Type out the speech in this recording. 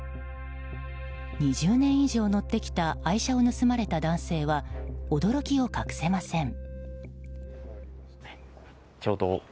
２０年以上乗ってきた愛車を盗まれた男性は驚きを隠せません。